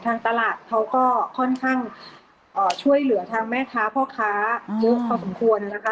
ตลาดเขาก็ค่อนข้างช่วยเหลือทางแม่ค้าพ่อค้าเยอะพอสมควรนะคะ